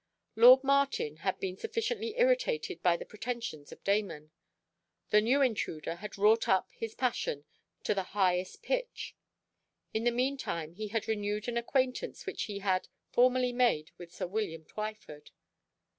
Lord Martin, had been sufficiently irritated by the pretensions of Damon. The new intruder had wrought up his passion to the highest pitch. In the mean time he had renewed an acquaintance which he had formerly made with sir William Twyford.